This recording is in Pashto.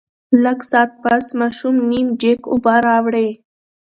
لږ ساعت پس ماشوم نيم جګ اوبۀ راوړې